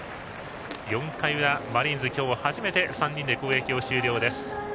４回裏、マリーンズは今日初めて３人で攻撃終了です。